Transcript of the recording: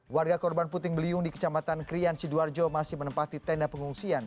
warga korban puting beliung di kecamatan krian sidoarjo masih menempati tenda pengungsian